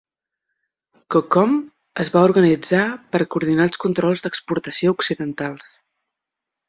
CoCom es va organitzar per coordinar els controls d'exportació occidentals.